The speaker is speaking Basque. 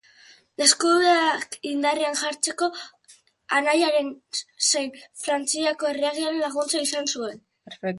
Eskubideak indarrean jartzeko anaia zein Frantziako erregearen laguntza izan zuen.